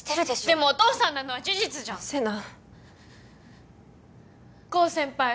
でもお父さんなのは事実じゃん世奈コウ先輩